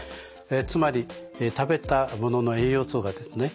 つまり食べたものの栄養素がですね